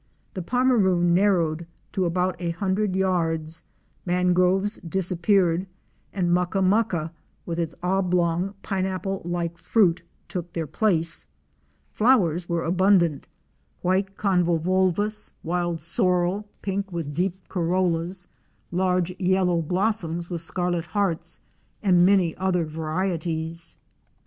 The Pomeroon narrowed to about a hundred yards, mangroves disappeared and mucka mucka with its oblong, pineapple like fruit, took their place. Flowers were abundant, —white convol THROUGH THE COASTAL WILDERNESS. 239 vulus; wild sorrel, pink with deep carollas; large yellow blos soms with scarlet hearts, and many other varicties.